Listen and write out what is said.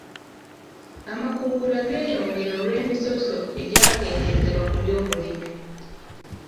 Amakungula geeyongera olw'emisoso egyakendeezebwa ku by'obulimi.